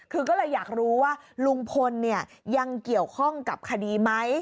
คืออยากรู้ว่าลุงพลยังเกี่ยวข้องกับคดีมั้ย